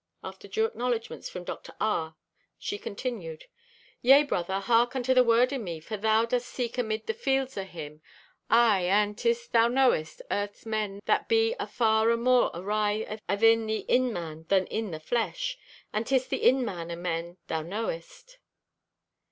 After due acknowledgments from Dr. R., she continued: "Yea, brother, hark unto the word o' me, for thou dost seek amid the fields o' Him! Aye, and 'tis, thou knowest, earth's men that be afar amore awry athin the in man than in the flesh. And 'tis the in man o' men thou knowest."